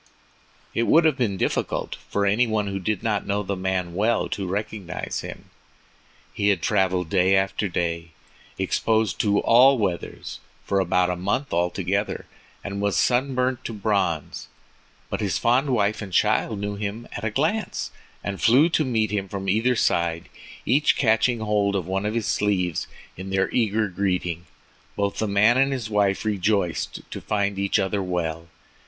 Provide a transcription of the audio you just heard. It would have been difficult for any one who did not know the man well to recognize him. He had traveled day after day, exposed to all weathers, for about a month altogether, and was sunburnt to bronze, but his fond wife and child knew him at a glance, and flew to meet him from either side, each catching hold of one of his sleeves in their eager greeting. Both the man and his wife rejoiced to find each other well.